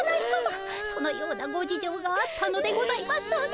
そのようなご事情があったのでございますね。